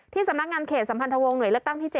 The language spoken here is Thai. สำนักงานเขตสัมพันธวงศ์หน่วยเลือกตั้งที่๗